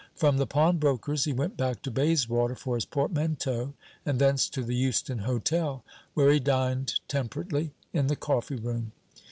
From the pawnbroker's he went back to Bayswater for his portmanteau, and thence to the Euston Hotel, where he dined temperately in the coffee room.